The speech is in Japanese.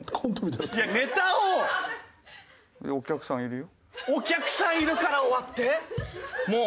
お客さんいるよ。